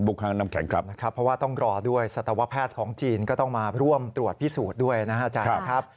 ครั้งน้ำแข็งกลับนะครับเพราะว่าต้องรอด้วยสัตวแพทย์ของจีนก็ต้องมาร่วมตรวจพิสูจน์ด้วยนะครับอาจารย์ครับ